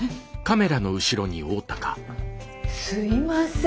すいません。